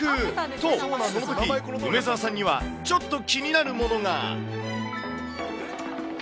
と、そのとき、梅澤さんには、ちょっと気になるものが。